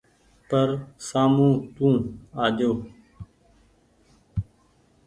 پر سآمو تو آجو ۔